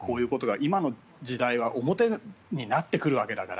今の時代は表になってくるわけだから。